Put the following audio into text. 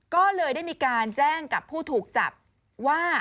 ก็เลยได้มีการแจ้งกับผู้ถูกจับว่า